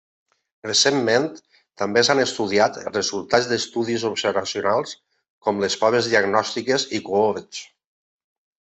Recentment també s'han estudiat els resultats d'estudis observacionals com les proves diagnòstiques i cohorts.